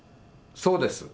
そうです。